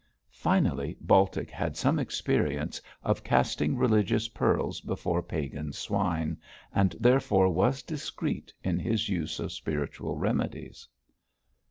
Finally, Baltic had some experience of casting religious pearls before pagan swine, and therefore was discreet in his use of spiritual remedies.